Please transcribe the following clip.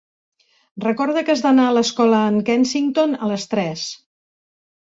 Recorda que has d'anar a l'escola en Kensington a les tres.